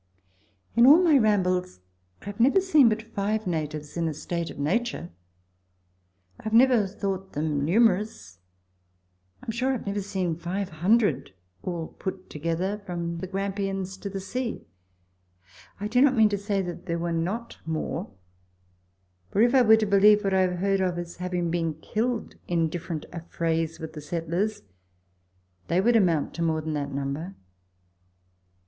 In all my rambles I have never seen but five natives in a state of nature. I have never thought them numerous. I am sure I have never seen 500 all put together from the Grampians to the sea. I do not mean to say that there were not more, for if I were to believe what I have heard of as having been killed in different affrays with the settlers, they would amount to more than that number.